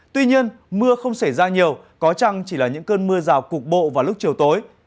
tuy nhiên mưa không xảy ra nhiều có chăng chỉ là những cơn mưa rào cục bộ vào lúc chiều tối